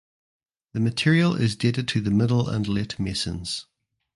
The material is dated to the Middle and Late Masons.